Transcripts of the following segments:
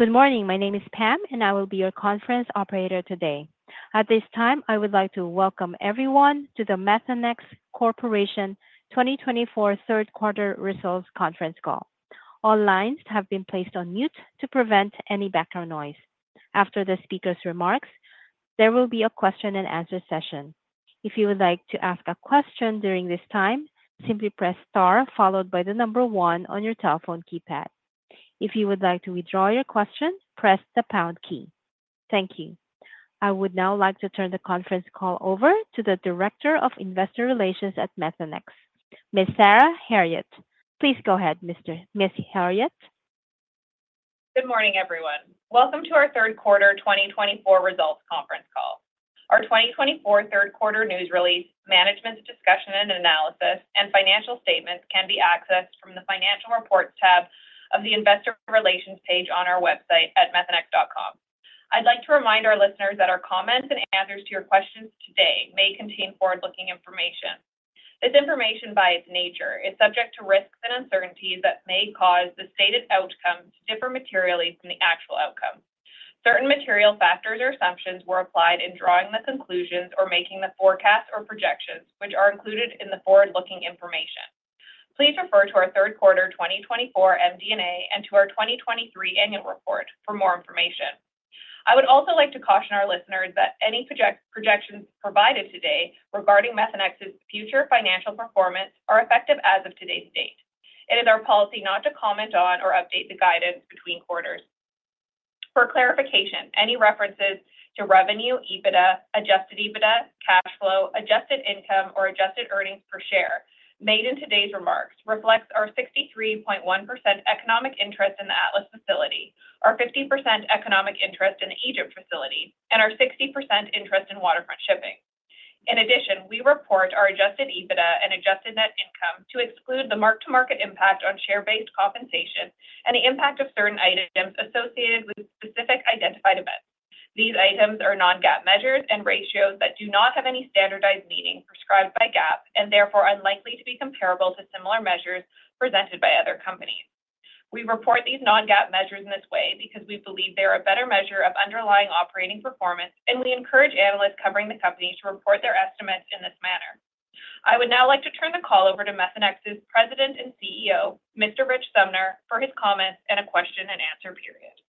Good morning. My name is Pam, and I will be your conference operator today. At this time, I would like to welcome everyone to the Methanex Corporation 2024 Q3 Results Conference Call. All lines have been placed on mute to prevent any background noise. After the speaker's remarks, there will be a question-and-answer session. If you would like to ask a question during this time, simply press star followed by the number one on your telephone keypad. If you would like to withdraw your question, press the pound key. Thank you. I would now like to turn the conference call over to the Director of Investor Relations at Methanex, Ms. Sarah Herriott. Please go ahead, Ms. Herriott. Good morning, everyone. Welcome to our Q3 2024 Results Conference Call. Our 2024 Q3 news release, management's discussion and analysis, and financial statements can be accessed from the Financial Reports tab of the Investor Relations page on our website at methanex.com. I'd like to remind our listeners that our comments and answers to your questions today may contain forward-looking information. This information, by its nature, is subject to risks and uncertainties that may cause the stated outcome to differ materially from the actual outcome. Certain material factors or assumptions were applied in drawing the conclusions or making the forecasts or projections, which are included in the forward-looking information. Please refer to our Q3 2024 MD&A and to our 2023 annual report for more information. I would also like to caution our listeners that any projections provided today regarding Methanex's future financial performance are effective as of today's date. It is our policy not to comment on or update the guidance between quarters. For clarification, any references to revenue, EBITDA, adjusted EBITDA, cash flow, adjusted income, or adjusted earnings per share made in today's remarks reflects our 63.1% economic interest in the Atlas facility, our 50% economic interest in the Egypt facility, and our 60% interest in Waterfront Shipping. In addition, we report our adjusted EBITDA and adjusted net income to exclude the mark-to-market impact on share-based compensation and the impact of certain items associated with specific identified events. These items are non-GAAP measures and ratios that do not have any standardized meaning prescribed by GAAP and therefore unlikely to be comparable to similar measures presented by other companies. We report these non-GAAP measures in this way because we believe they are a better measure of underlying operating performance, and we encourage analysts covering the companies to report their estimates in this manner. I would now like to turn the call over to Methanex's President and CEO, Mr. Rich Sumner, for his comments and a question-and-answer period.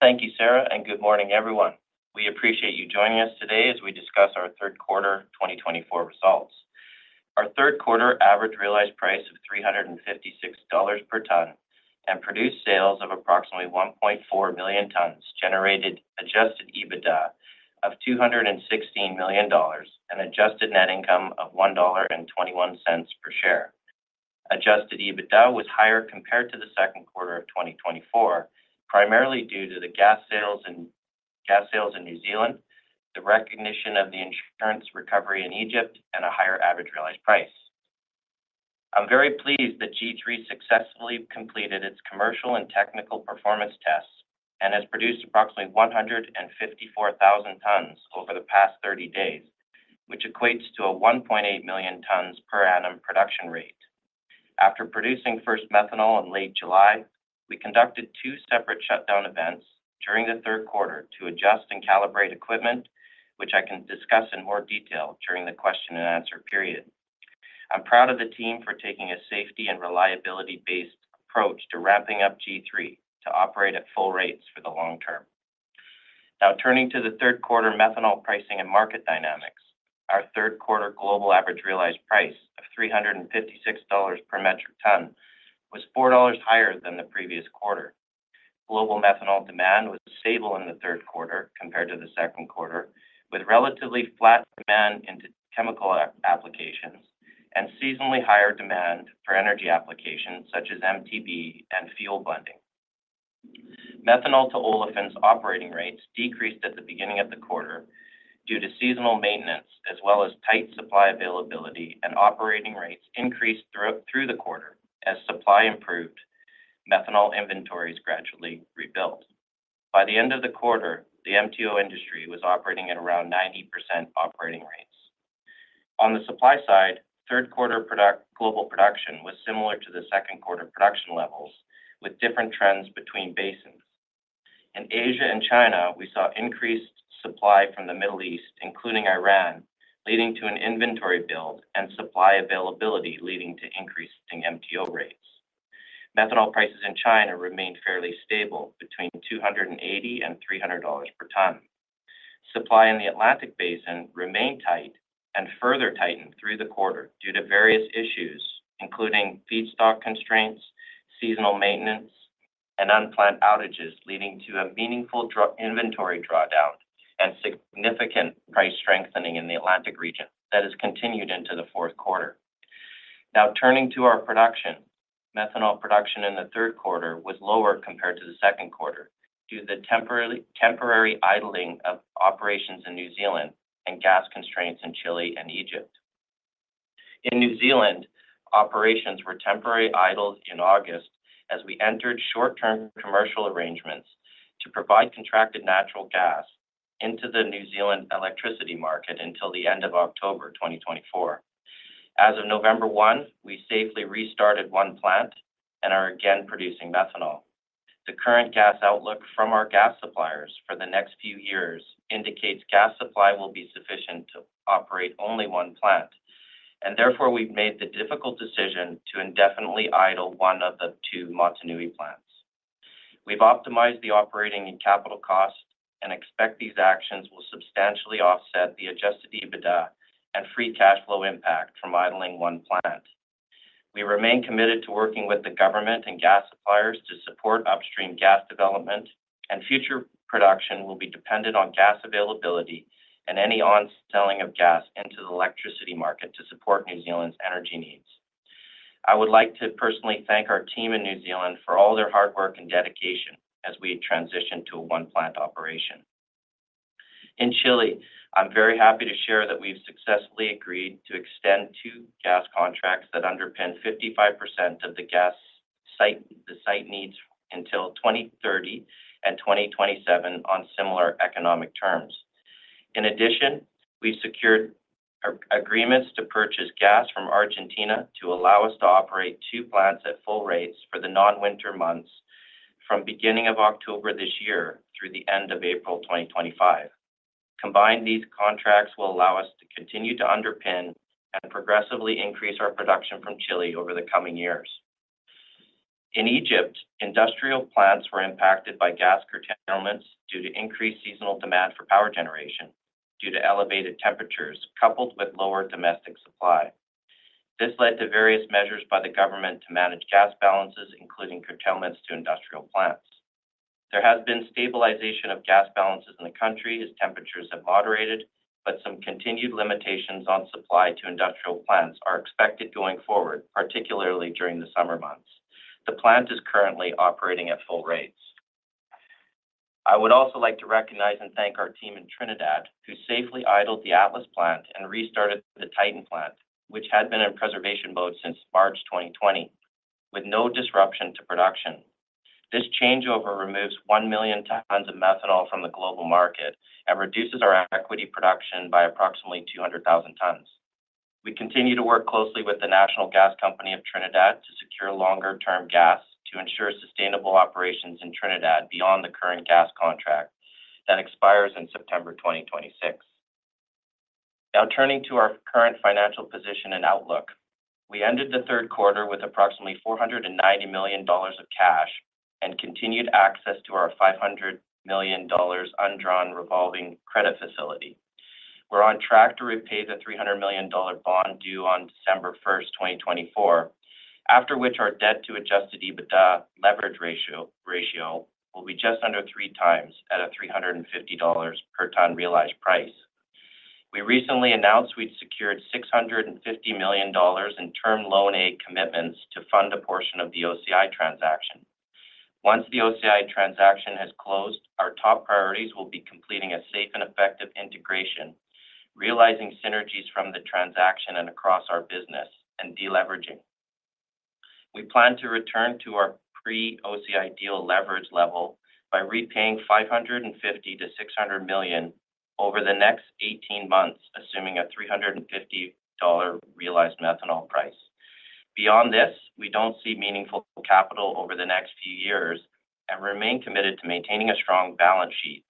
Thank you, Sarah, and good morning, everyone. We appreciate you joining us today as we discuss our Q3 2024 results. Our Q3 average realized price of $356 per ton and produced sales of approximately 1.4 million tons generated adjusted EBITDA of $216 million and adjusted net income of $1.21 per share. Adjusted EBITDA was higher compared to the Q2 of 2024, primarily due to the gas sales in New Zealand, the recognition of the insurance recovery in Egypt, and a higher average realized price. I'm very pleased that G3 successfully completed its commercial and technical performance tests and has produced approximately 154,000 tons over the past 30 days, which equates to a 1.8 million tons per annum production rate. After producing first methanol in late July, we conducted two separate shutdown events during the Q3 to adjust and calibrate equipment, which I can discuss in more detail during the question-and-answer period. I'm proud of the team for taking a safety and reliability-based approach to ramping up G3 to operate at full rates for the long term. Now, turning to the Q3 methanol pricing and market dynamics, our Q3 global average realized price of $356 per metric ton was $4 higher than the previous quarter. Global methanol demand was stable in the Q3 compared to the Q2, with relatively flat demand into chemical applications and seasonally higher demand for energy applications such as MTBE and fuel blending. Methanol-to-olefins operating rates decreased at the beginning of the quarter due to seasonal maintenance, as well as tight supply availability, and operating rates increased through the quarter. As supply improved, methanol inventories gradually rebuilt. By the end of the quarter, the MTO industry was operating at around 90% operating rates. On the supply side, Q3 global production was similar to the Q2 production levels, with different trends between basins. In Asia and China, we saw increased supply from the Middle East, including Iran, leading to an inventory build and supply availability leading to increasing MTO rates. Methanol prices in China remained fairly stable between $280 and $300 per ton. Supply in the Atlantic Basin remained tight and further tightened through the quarter due to various issues, including feedstock constraints, seasonal maintenance, and unplanned outages leading to a meaningful inventory drawdown and significant price strengthening in the Atlantic region that has continued into the Q4. Now, turning to our production, methanol production in the Q3 was lower compared to the Q2 due to the temporary idling of operations in New Zealand and gas constraints in Chile and Egypt. In New Zealand, operations were temporarily idled in August as we entered short-term commercial arrangements to provide contracted natural gas into the New Zealand electricity market until the end of October 2024. As of November 1, we safely restarted one plant and are again producing methanol. The current gas outlook from our gas suppliers for the next few years indicates gas supply will be sufficient to operate only one plant, and therefore we've made the difficult decision to indefinitely idle one of the two Motunui plants. We've optimized the operating and capital costs and expect these actions will substantially offset the Adjusted EBITDA and free cash flow impact from idling one plant. We remain committed to working with the government and gas suppliers to support upstream gas development, and future production will be dependent on gas availability and any onselling of gas into the electricity market to support New Zealand's energy needs. I would like to personally thank our team in New Zealand for all their hard work and dedication as we transitioned to a one-plant operation. In Chile, I'm very happy to share that we've successfully agreed to extend two gas contracts that underpin 55% of the gas site needs until 2030 and 2027 on similar economic terms. In addition, we've secured agreements to purchase gas from Argentina to allow us to operate two plants at full rates for the non-winter months from the beginning of October this year through the end of April 2025. Combined, these contracts will allow us to continue to underpin and progressively increase our production from Chile over the coming years. In Egypt, industrial plants were impacted by gas curtailments due to increased seasonal demand for power generation due to elevated temperatures coupled with lower domestic supply. This led to various measures by the government to manage gas balances, including curtailments to industrial plants. There has been stabilization of gas balances in the country as temperatures have moderated, but some continued limitations on supply to industrial plants are expected going forward, particularly during the summer months. The plant is currently operating at full rates. I would also like to recognize and thank our team in Trinidad, who safely idled the Atlas plant and restarted the Titan plant, which had been in preservation mode since March 2020, with no disruption to production. This changeover removes one million tons of methanol from the global market and reduces our equity production by approximately 200,000 tons. We continue to work closely with the National Gas Company of Trinidad to secure longer-term gas to ensure sustainable operations in Trinidad beyond the current gas contract that expires in September 2026. Now, turning to our current financial position and outlook, we ended the Q3 with approximately $490 million of cash and continued access to our $500 million undrawn revolving credit facility. We're on track to repay the $300 million bond due on December 1, 2024, after which our debt-to-adjusted EBITDA leverage ratio will be just under three times at a $350 per ton realized price. We recently announced we'd secured $650 million in Term Loan A commitments to fund a portion of the OCI transaction. Once the OCI transaction has closed, our top priorities will be completing a safe and effective integration, realizing synergies from the transaction and across our business, and deleveraging. We plan to return to our pre-OCI deal leverage level by repaying $550 to $600 million over the next 18 months, assuming a $350 realized methanol price. Beyond this, we don't see meaningful capital over the next few years and remain committed to maintaining a strong balance sheet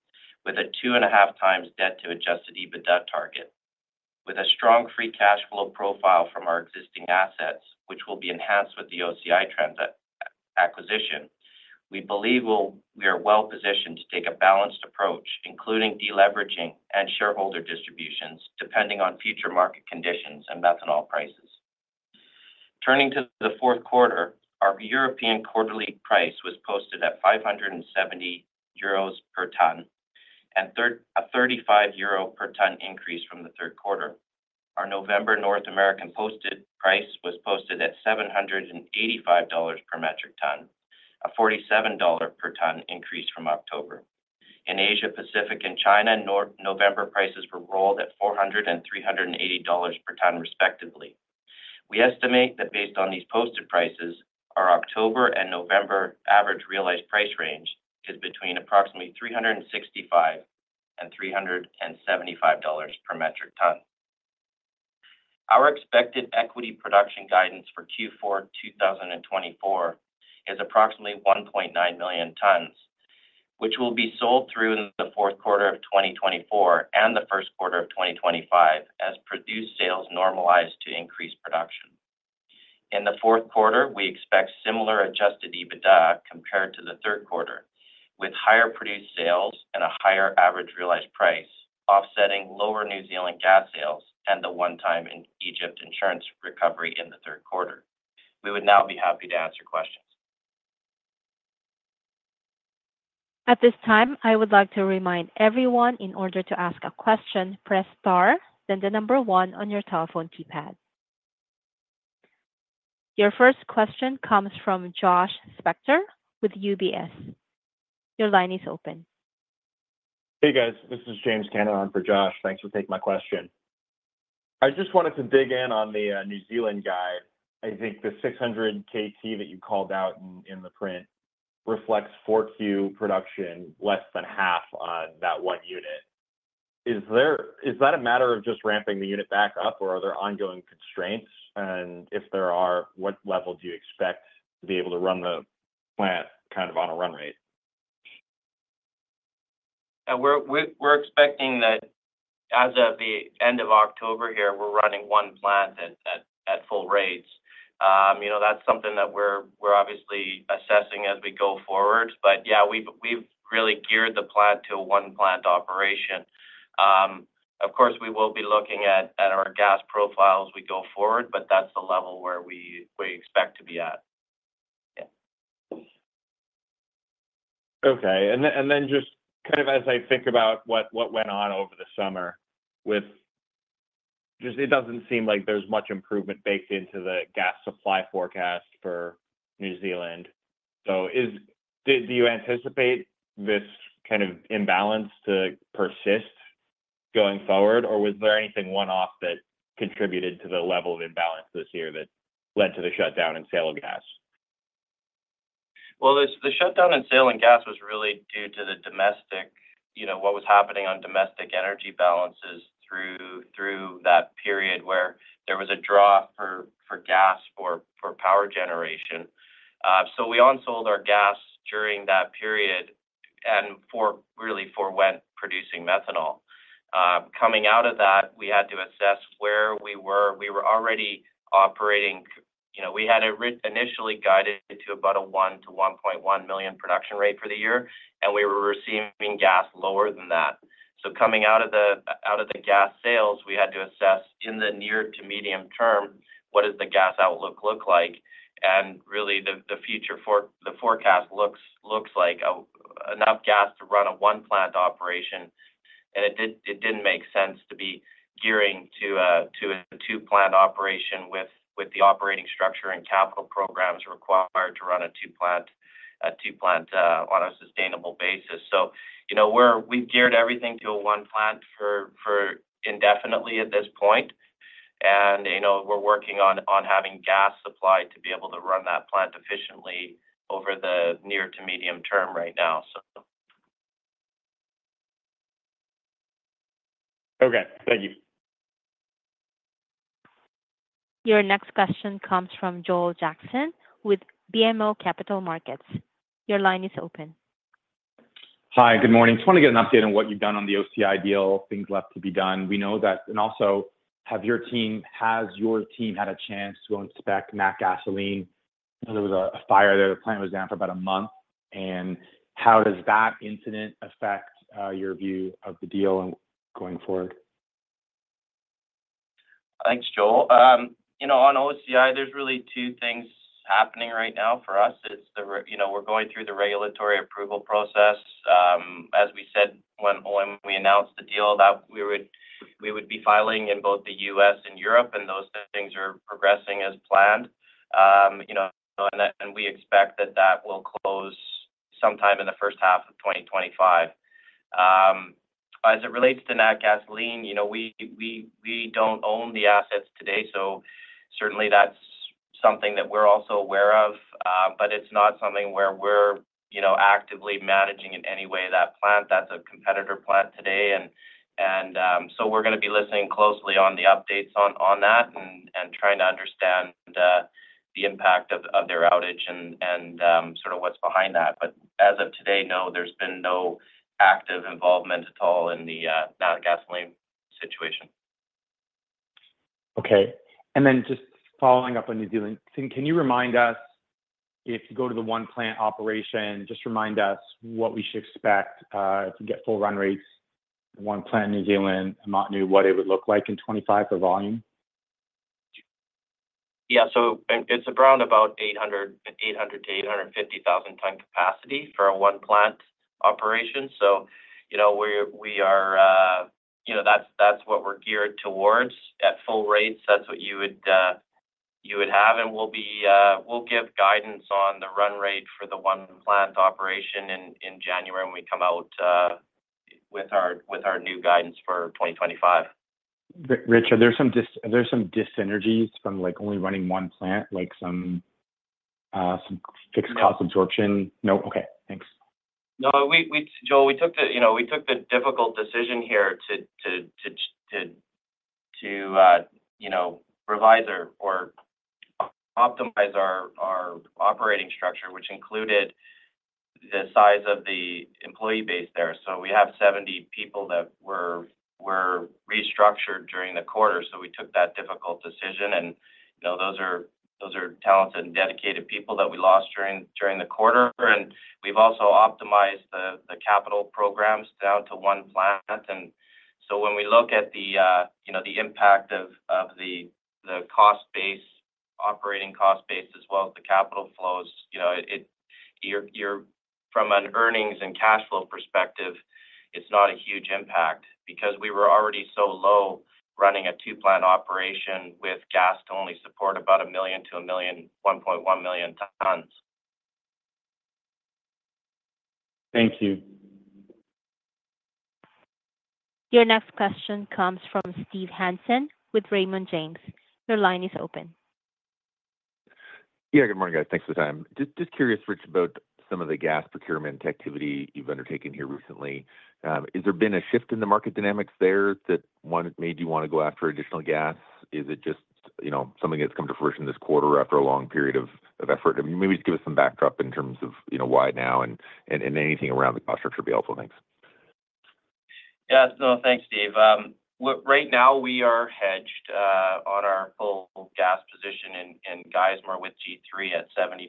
with a two-and-a-half times debt-to-adjusted EBITDA target. With a strong free cash flow profile from our existing assets, which will be enhanced with the OCI transaction acquisition, we believe we are well positioned to take a balanced approach, including deleveraging and shareholder distributions depending on future market conditions and methanol prices. Turning to the Q4, our European quarterly price was posted at 570 euros per ton and a 35 euro per ton increase from the Q3. Our November North American posted price was posted at $785 per metric ton, a $47 per ton increase from October. In Asia Pacific, and China, November prices were rolled at $400 and $380 per ton, respectively. We estimate that based on these posted prices, our October and November average realized price range is between approximately $365 and $375 per metric ton. Our expected equity production guidance for Q4 2024 is approximately 1.9 million tons, which will be sold through in the Q4 of 2024 and the Q1 of 2025 as produced sales normalize to increase production. In the Q4, we expect similar Adjusted EBITDA compared to the Q3, with higher produced sales and a higher average realized price, offsetting lower New Zealand gas sales and the one-time Egypt insurance recovery in the Q3. We would now be happy to answer questions. At this time, I would like to remind everyone, in order to ask a question, press star, then the number one on your telephone keypad. Your first question comes from Josh Spector with UBS. Your line is open. Hey, guys. This is James Cameron for Josh. Thanks for taking my question. I just wanted to dig in on the New Zealand guide. I think the 600 KT that you called out in the print reflects 4Q production less than half on that one unit. Is that a matter of just ramping the unit back up, or are there ongoing constraints? And if there are, what level do you expect to be able to run the plant kind of on a run rate? We're expecting that as of the end of October here, we're running one plant at full rates. That's something that we're obviously assessing as we go forward. But yeah, we've really geared the plant to a one-plant operation. Of course, we will be looking at our gas profiles as we go forward, but that's the level where we expect to be at. Yeah. Okay. And then just kind of as I think about what went on over the summer, it doesn't seem like there's much improvement baked into the gas supply forecast for New Zealand. So do you anticipate this kind of imbalance to persist going forward, or was there anything one-off that contributed to the level of imbalance this year that led to the shutdown in sale of gas? Well, the shutdown in Trinidad and gas was really due to what was happening on domestic energy balances through that period where there was a draw for gas for power generation. So we onsold our gas during that period and really forwent producing methanol. Coming out of that, we had to assess where we were. We were already operating. We had initially guided to about a one-1.1 million production rate for the year, and we were receiving gas lower than that. So coming out of the gas sales, we had to assess in the near to medium term, what does the gas outlook look like? And really, the forecast looks like enough gas to run a one-plant operation. And it didn't make sense to be gearing to a two-plant operation with the operating structure and capital programs required to run a two-plant on a sustainable basis. We've geared everything to a one-plant footprint indefinitely at this point, and we're working on having gas supply to be able to run that plant efficiently over the near- to medium-term right now, so. Okay. Thank you. Your next question comes from Joel Jackson with BMO Capital Markets. Your line is open. Hi, good morning. Just want to get an update on what you've done on the OCI deal, things left to be done. We know that, and also, has your team had a chance to inspect Natgasoline? There was a fire there. The plant was down for about a month. And how does that incident affect your view of the deal going forward? Thanks, Joel. On OCI, there's really two things happening right now for us. We're going through the regulatory approval process. As we said when we announced the deal, we would be filing in both the U.S. and Europe, and those things are progressing as planned, and we expect that that will close sometime in the first half of 2025. As it relates to Natgasoline, we don't own the assets today, so certainly that's something that we're also aware of. But it's not something where we're actively managing in any way that plant. That's a competitor plant today, and so we're going to be listening closely on the updates on that and trying to understand the impact of their outage and sort of what's behind that, but as of today, no, there's been no active involvement at all in the Natgasoline situation. Okay. And then just following up on New Zealand, can you remind us if you go to the one-plant operation, just remind us what we should expect if we get full run rates? One plant in New Zealand, I'm not sure what it would look like in 2025 for volume. Yeah, so it's around about 800,000-850,000-ton capacity for a one-plant operation. So we are—that's what we're geared towards at full rates. That's what you would have, and we'll give guidance on the run rate for the one-plant operation in January when we come out with our new guidance for 2025. Rich, are there some dyssynergies from only running one plant, like some fixed cost absorption? No. No? Okay. Thanks. No, Joel, we took the difficult decision here to revise or optimize our operating structure, which included the size of the employee base there. So we have 70 people that were restructured during the quarter. So we took that difficult decision. And those are talented and dedicated people that we lost during the quarter. And we've also optimized the capital programs down to one plant. And so when we look at the impact of the cost base, operating cost base, as well as the capital flows, from an earnings and cash flow perspective, it's not a huge impact because we were already so low running a two-plant operation with gas to only support about 1 million to 1.1 million tons. Thank you. Your next question comes from Steve Hansen with Raymond James. Your line is open. Yeah. Good morning, guys. Thanks for the time. Just curious, Rich, about some of the gas procurement activity you've undertaken here recently. Has there been a shift in the market dynamics there that made you want to go after additional gas? Is it just something that's come to fruition this quarter after a long period of effort? Maybe just give us some backdrop in terms of why now and anything around the cost structure would be helpful. Thanks. Yeah. No, thanks, Steve. Right now, we are hedged on our full gas position in Geismar with G3 at 70%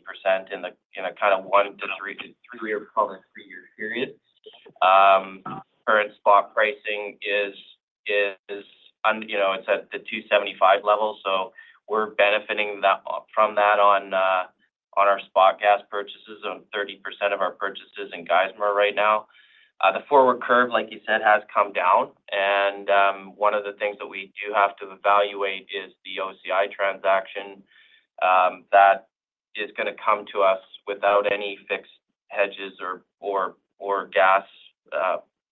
in a kind of one to three-year period. Current spot pricing is. It's at the 275 level. So we're benefiting from that on our spot gas purchases of 30% of our purchases in Geismar right now. The forward curve, like you said, has come down. And one of the things that we do have to evaluate is the OCI transaction that is going to come to us without any fixed hedges or gas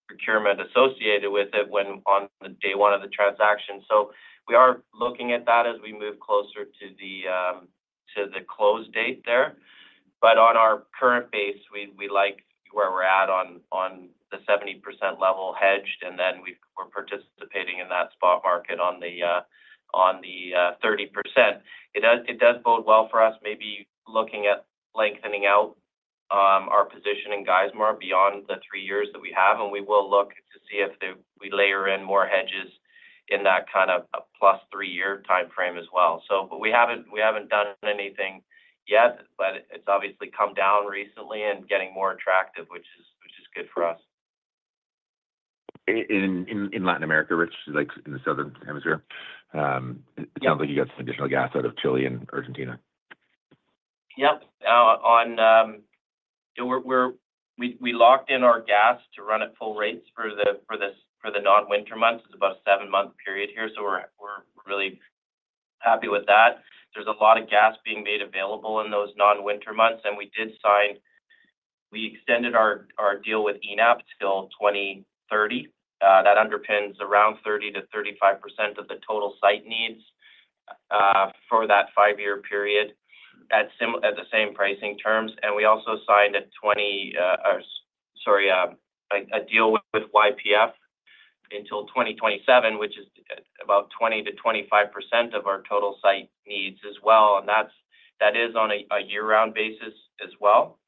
procurement associated with it on day one of the transaction. So we are looking at that as we move closer to the close date there. But on our current base, we like where we're at on the 70% level hedged, and then we're participating in that spot market on the 30%. It does bode well for us, maybe looking at lengthening out our position in Geismar beyond the three years that we have, and we will look to see if we layer in more hedges in that kind of plus three-year timeframe as well, but we haven't done anything yet, but it's obviously come down recently and getting more attractive, which is good for us. In Latin America, Rich, in the Southern Hemisphere, it sounds like you got some additional gas out of Chile and Argentina. Yep. We locked in our gas to run at full rates for the non-winter months. It's about a seven-month period here. So we're really happy with that. There's a lot of gas being made available in those non-winter months. And we extended our deal with ENAP till 2030. That underpins around 30% to 35% of the total site needs for that five-year period at the same pricing terms. And we also signed a deal with YPF until 2027, which is about 20% to 25% of our total site needs as well. And that is on a year-round basis as well.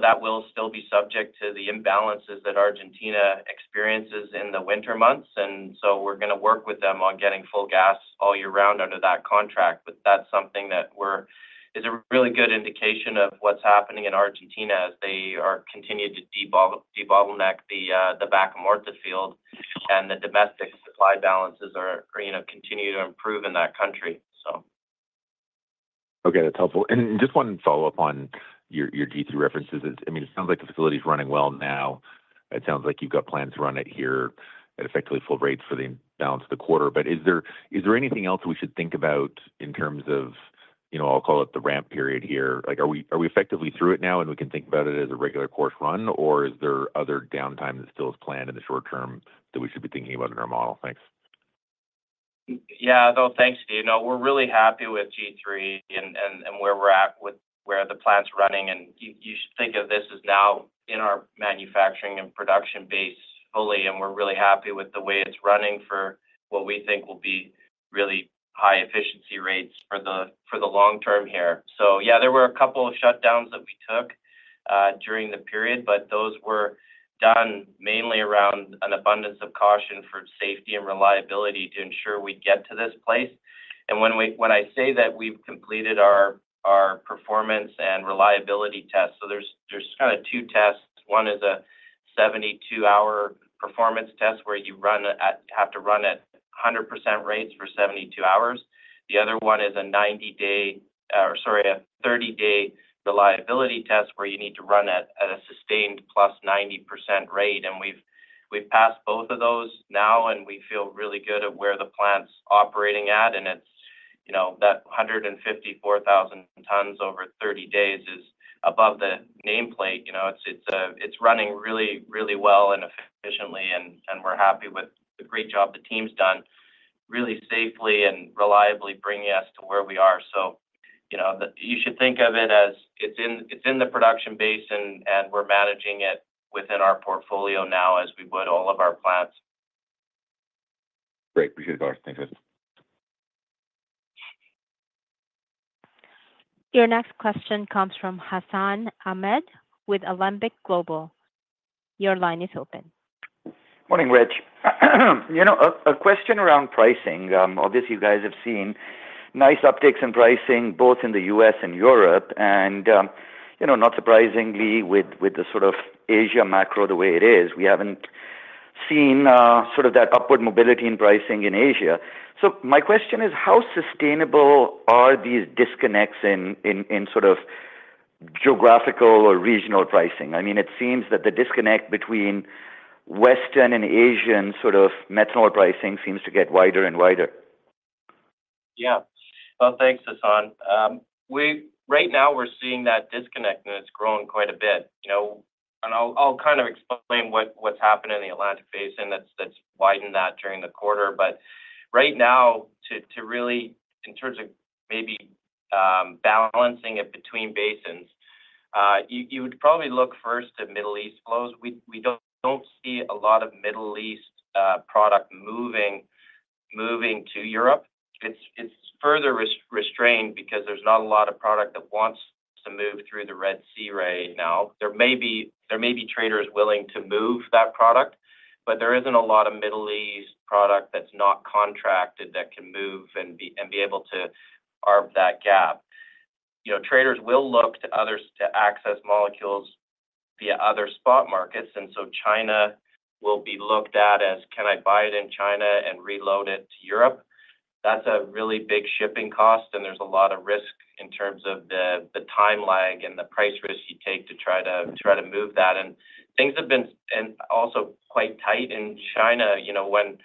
That will still be subject to the imbalances that Argentina experiences in the winter months. And so we're going to work with them on getting full gas all year round under that contract. But that's something that is a really good indication of what's happening in Argentina as they continue to de-bottleneck the Vaca Muerta field and the domestic supply balances continue to improve in that country, so. Okay. That's helpful, and just wanted to follow up on your G3 references. I mean, it sounds like the facility is running well now. It sounds like you've got plans to run it here at effectively full rates for the balance of the quarter, but is there anything else we should think about in terms of, I'll call it the ramp period here? Are we effectively through it now and we can think about it as a regular course run, or is there other downtime that still is planned in the short term that we should be thinking about in our model? Thanks. Yeah. No, thanks, Steve. No, we're really happy with G3 and where we're at with where the plant's running, and you should think of this as now in our manufacturing and production base fully, and we're really happy with the way it's running for what we think will be really high efficiency rates for the long term here, so yeah, there were a couple of shutdowns that we took during the period, but those were done mainly around an abundance of caution for safety and reliability to ensure we get to this place. And when I say that we've completed our performance and reliability test, so there's kind of two tests. One is a 72-hour performance test where you have to run at 100% rates for 72 hours. The other one is a 90-day, sorry, a 30-day reliability test where you need to run at a sustained plus 90% rate. And we've passed both of those now, and we feel really good at where the plant's operating at, and that 154,000 tons over 30 days is above the nameplate. It's running really, really well and efficiently, and we're happy with the great job the team's done, really safely and reliably bringing us to where we are, so you should think of it as it's in the production base, and we're managing it within our portfolio now as we would all of our plants. Great. Appreciate it, guys. Thanks, guys. Your next question comes from Hassan Ahmed with Alembic Global Advisors. Your line is open. Morning, Rich. A question around pricing. Obviously, you guys have seen nice upticks in pricing both in the U.S. and Europe. And not surprisingly, with the sort of Asia macro the way it is, we haven't seen sort of that upward mobility in pricing in Asia. So my question is, how sustainable are these disconnects in sort of geographical or regional pricing? I mean, it seems that the disconnect between Western and Asian sort of methanol pricing seems to get wider and wider. Yeah. Well, thanks, Hassan. Right now, we're seeing that disconnect, and it's grown quite a bit. And I'll kind of explain what's happened in the Atlantic Basin that's widened that during the quarter. But right now, to really, in terms of maybe balancing it between basins, you would probably look first to Middle East flows. We don't see a lot of Middle East product moving to Europe. It's further restrained because there's not a lot of product that wants to move through the Red Sea right now. There may be traders willing to move that product, but there isn't a lot of Middle East product that's not contracted that can move and be able to arc that gap. Traders will look to access molecules via other spot markets. And so China will be looked at as, "Can I buy it in China and reload it to Europe?" That's a really big shipping cost, and there's a lot of risk in terms of the time lag and the price risk you take to try to move that. And things have been also quite tight in China when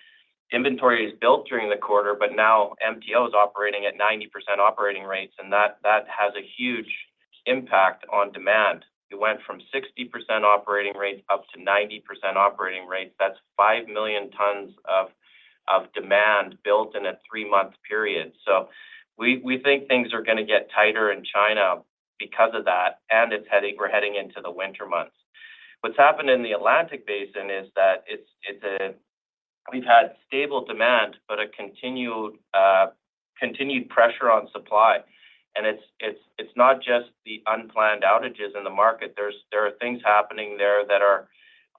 inventory is built during the quarter, but now MTO is operating at 90% operating rates, and that has a huge impact on demand. It went from 60% operating rates up to 90% operating rates. That's five million tons of demand built in a three-month period. So we think things are going to get tighter in China because of that, and we're heading into the winter months. What's happened in the Atlantic Basin is that we've had stable demand, but a continued pressure on supply. It's not just the unplanned outages in the market. There are things happening there that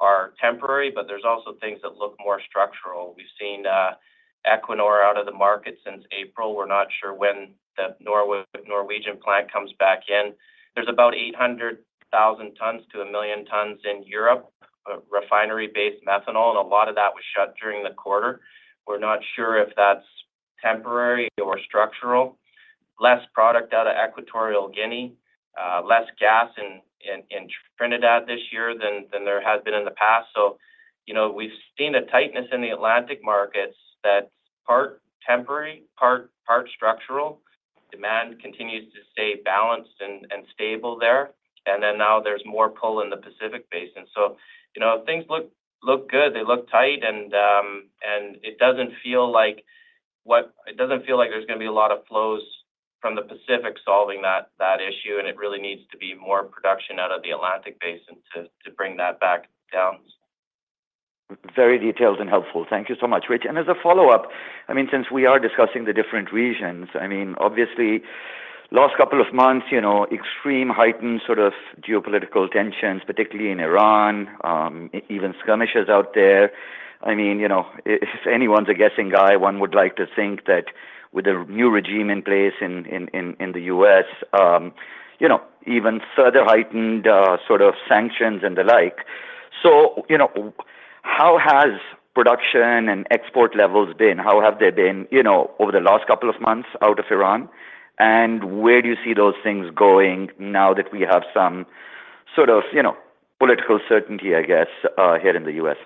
are temporary, but there's also things that look more structural. We've seen Equinor out of the market since April. We're not sure when the Norwegian plant comes back in. There's about 800,000 tons to 1 million tons in Europe of refinery-based methanol, and a lot of that was shut during the quarter. We're not sure if that's temporary or structural. Less product out of Equatorial Guinea, less gas in Trinidad this year than there has been in the past. So we've seen a tightness in the Atlantic markets that's part temporary, part structural. Demand continues to stay balanced and stable there. And then now there's more pull in the Pacific Basin. So things look good. They look tight, and it doesn't feel like there's going to be a lot of flows from the Pacific solving that issue, and it really needs to be more production out of the Atlantic Basin to bring that back down. Very detailed and helpful. Thank you so much, Rich. And as a follow-up, I mean, since we are discussing the different regions, I mean, obviously, last couple of months, extreme heightened sort of geopolitical tensions, particularly in Iran, even skirmishes out there. I mean, if anyone's a guessing guy, one would like to think that with the new regime in place in the U.S., even further heightened sort of sanctions and the like. So how has production and export levels been? How have they been over the last couple of months out of Iran? And where do you see those things going now that we have some sort of political certainty, I guess, here in the U.S.?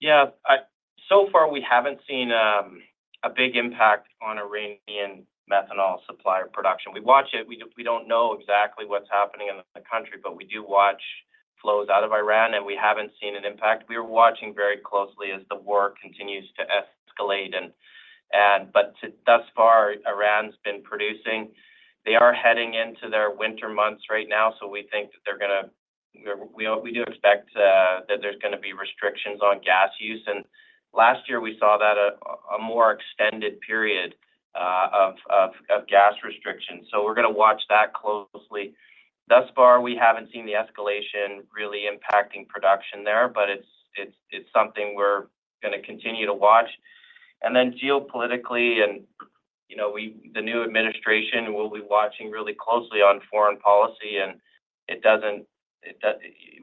Yeah. So far, we haven't seen a big impact on Iranian methanol supply or production. We watch it. We don't know exactly what's happening in the country, but we do watch flows out of Iran, and we haven't seen an impact. We are watching very closely as the war continues to escalate. But thus far, Iran's been producing. They are heading into their winter months right now. So we think that we do expect that there's going to be restrictions on gas use. And last year, we saw that a more extended period of gas restrictions. So we're going to watch that closely. Thus far, we haven't seen the escalation really impacting production there, but it's something we're going to continue to watch. And then geopolitically, the new administration will be watching really closely on foreign policy. And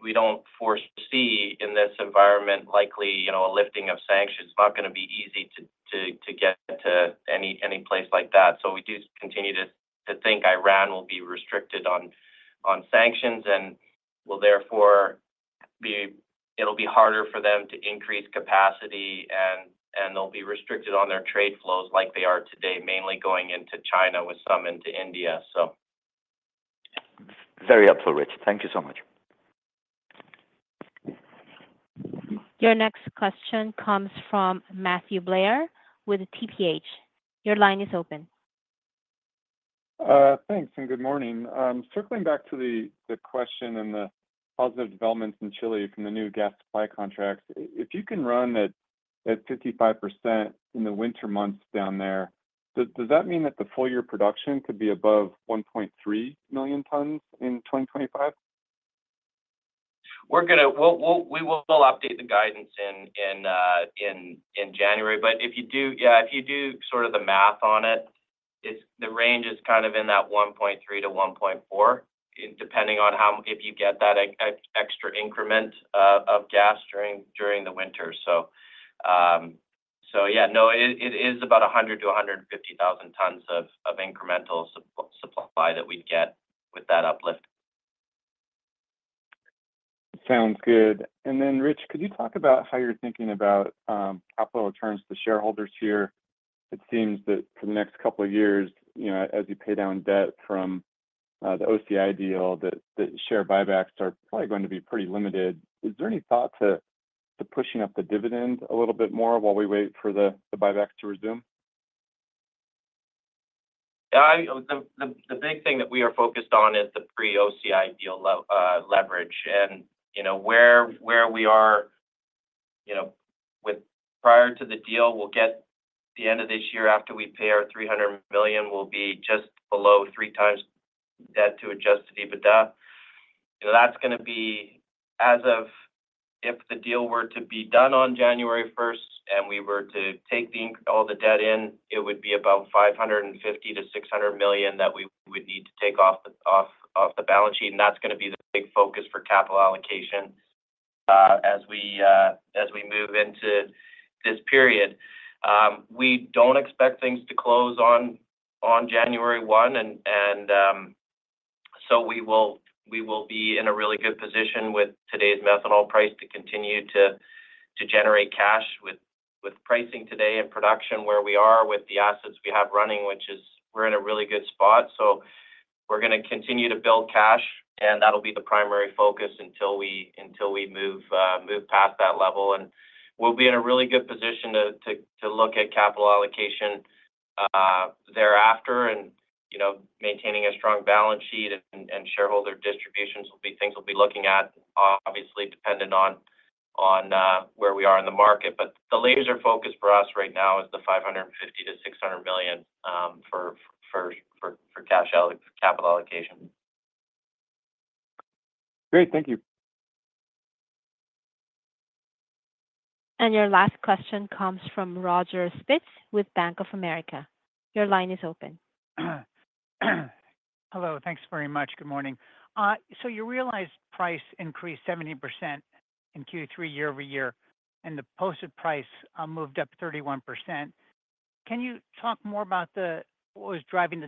we don't foresee in this environment likely a lifting of sanctions. It's not going to be easy to get to any place like that. So we do continue to think Iran will be restricted on sanctions and will therefore be, it'll be harder for them to increase capacity, and they'll be restricted on their trade flows like they are today, mainly going into China with some into India, so. Very helpful, Rich. Thank you so much. Your next question comes from Matthew Blair with TPH. Your line is open. Thanks. And good morning. Circling back to the question and the positive developments in Chile from the new gas supply contracts, if you can run at 55% in the winter months down there, does that mean that the full-year production could be above 1.3 million tons in 2025? We will update the guidance in January. But if you do, yeah, if you do sort of the math on it, the range is kind of in that 1.3 to 1.4, depending on if you get that extra increment of gas during the winter. So yeah, no, it is about 100,000-150,000 tons of incremental supply that we'd get with that uplift. Sounds good. And then, Rich, could you talk about how you're thinking about capital returns to shareholders here? It seems that for the next couple of years, as you pay down debt from the OCI deal, the share buybacks are probably going to be pretty limited. Is there any thought to pushing up the dividend a little bit more while we wait for the buybacks to resume? Yeah. The big thing that we are focused on is the pre-OCI deal leverage. And where we are with prior to the deal, we'll get the end of this year after we pay our $300 million will be just below three times debt to adjusted EBITDA. That's going to be as of if the deal were to be done on January 1st and we were to take all the debt in, it would be about $550 to $600 million that we would need to take off the balance sheet. And that's going to be the big focus for capital allocation as we move into this period. We don't expect things to close on January 1. We will be in a really good position with today's methanol price to continue to generate cash with pricing today and production where we are with the assets we have running, which is we're in a really good spot. We're going to continue to build cash, and that'll be the primary focus until we move past that level. We'll be in a really good position to look at capital allocation thereafter. Maintaining a strong balance sheet and shareholder distributions will be things we'll be looking at, obviously, dependent on where we are in the market. The laser focus for us right now is the $550 million to $600 million for capital allocation. Great. Thank you. Your last question comes from Roger Spitz with Bank of America. Your line is open. Hello. Thanks very much. Good morning. So you realized price increased 70% in Q3 year over year, and the posted price moved up 31%. Can you talk more about what was driving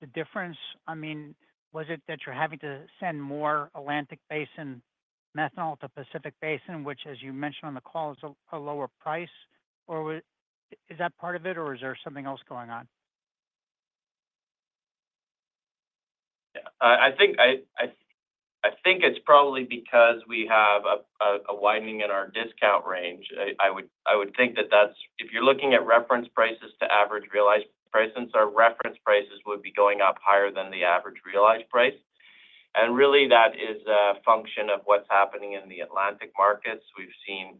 the difference? I mean, was it that you're having to send more Atlantic Basin methanol to Pacific Basin, which, as you mentioned on the call, is a lower price? Or is that part of it, or is there something else going on? I think it's probably because we have a widening in our discount range. I would think that that's if you're looking at reference prices to average realized prices, our reference prices would be going up higher than the average realized price. And really, that is a function of what's happening in the Atlantic markets. We've seen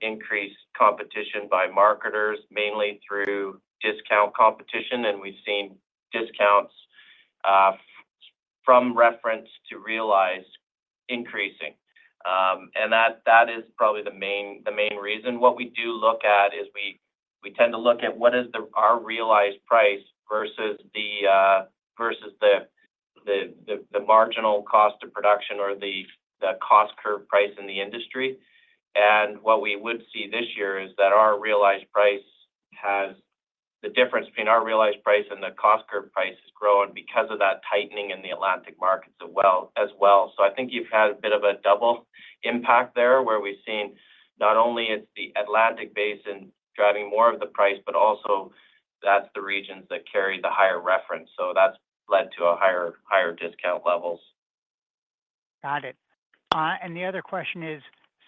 increased competition by marketers, mainly through discount competition, and we've seen discounts from reference to realized increasing. And that is probably the main reason. What we do look at is we tend to look at what is our realized price versus the marginal cost of production or the cost curve price in the industry. And what we would see this year is that our realized price has the difference between our realized price and the cost curve price has grown because of that tightening in the Atlantic markets as well. So I think you've had a bit of a double impact there where we've seen not only is the Atlantic Basin driving more of the price, but also that's the regions that carry the higher reference. So that's led to higher discount levels. Got it. And the other question is,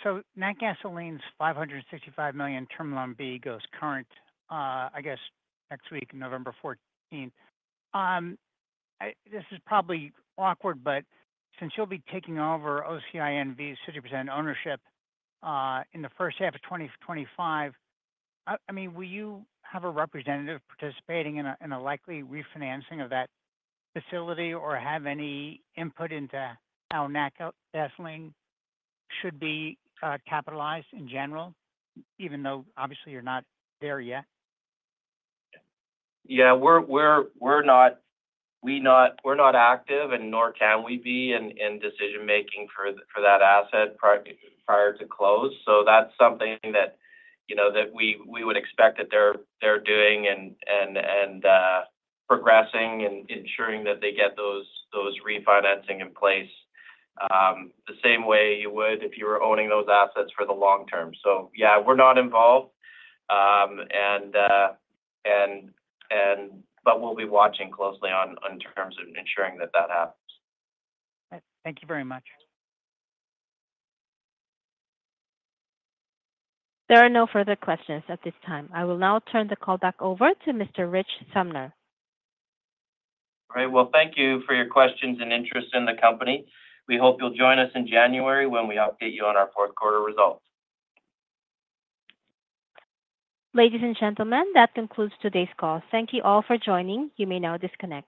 so Natgasoline's $565 million Term Loan B goes current, I guess, next week, November 14th. This is probably awkward, but since you'll be taking over OCI and YPF's 50% ownership in the first half of 2025, I mean, will you have a representative participating in a likely refinancing of that facility or have any input into how Natgasoline should be capitalized in general, even though obviously you're not there yet? Yeah. We're not active and nor can we be in decision-making for that asset prior to close. So that's something that we would expect that they're doing and progressing and ensuring that they get those refinancing in place the same way you would if you were owning those assets for the long term. So yeah, we're not involved, but we'll be watching closely on terms of ensuring that that happens. Thank you very much. There are no further questions at this time. I will now turn the call back over to Mr. Rich Sumner. All right, well, thank you for your questions and interest in the company. We hope you'll join us in January when we update you on our Q4 results. Ladies and gentlemen, that concludes today's call. Thank you all for joining. You may now disconnect.